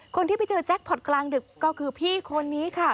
คนที่ไปเจอแจ็คพอร์ตกลางดึกก็คือพี่คนนี้ค่ะ